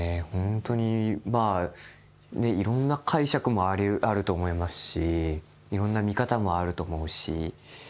ほんとにいろんな解釈もあると思いますしいろんな見方もあると思うし。